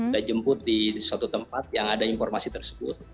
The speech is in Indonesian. kita jemput di suatu tempat yang ada informasi tersebut